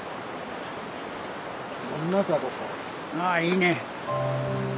あいいね。